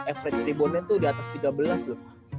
average tribunnya tuh di atas tiga belas loh